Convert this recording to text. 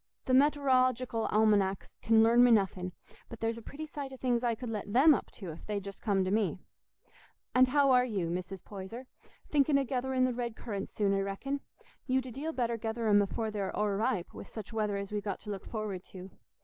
Th' met'orological almanecks can learn me nothing, but there's a pretty sight o' things I could let them up to, if they'd just come to me. And how are you, Mrs. Poyser?—thinking o' getherin' the red currants soon, I reckon. You'd a deal better gether 'em afore they're o'erripe, wi' such weather as we've got to look forward to.